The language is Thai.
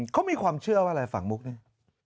เขามีความเชื่อว่าอะไรฝั่งมุกนี่